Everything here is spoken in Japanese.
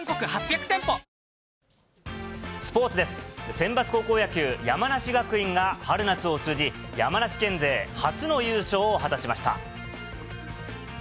センバツ高校野球、山梨学院が春夏を通じ、山梨県勢初の優勝を果たしました。